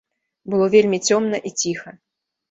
Было вельмі цёмна і ціха.